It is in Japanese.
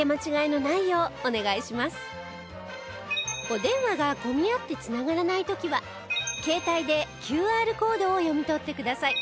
お電話が混み合って繋がらない時は携帯で ＱＲ コードを読み取ってください